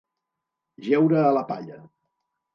Jeure a la palla.